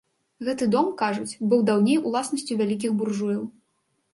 Гэты дом, кажуць, быў даўней уласнасцю вялікіх буржуяў.